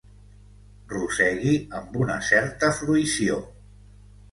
Rosegui amb una certa fruïció.